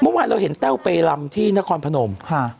เมื่อวานเราเห็นแต้วไปลำที่นครพนม